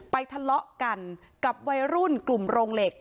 ทะเลาะกันกับวัยรุ่นกลุ่มโรงเหล็ก